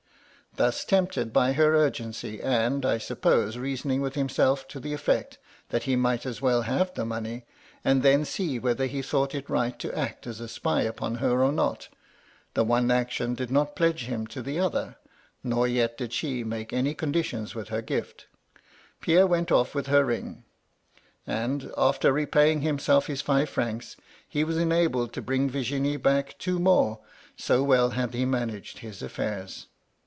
"Thus tempted by her urgency, and, I suppose, reasoning with himself to the effect that he might as well have the money, and then see whether he thought it right to act as a spy upon her or not — the one action did not pledge him to the other, nor yet did she make any conditions with her gift — Pierre went off with her ring ; and, after repaying himself his five francs, he was enabled to bring Virginie back two more, so well had he managed his affairs.